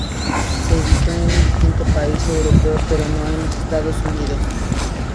Se editó en distintos países europeos, pero no en los Estados Unidos.